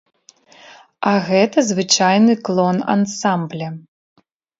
А гэта звычайны клон ансамбля.